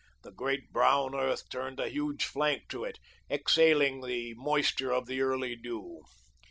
The great brown earth turned a huge flank to it, exhaling the moisture of the early dew.